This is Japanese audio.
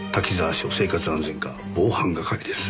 署生活安全課防犯係です。